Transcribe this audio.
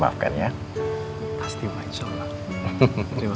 maaf lah herbatin juga ya